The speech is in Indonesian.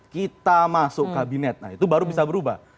kita masuk kabinet nah itu baru bisa berubah